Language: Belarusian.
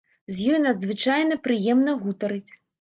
З ёй надзвычайна прыемна гутарыць.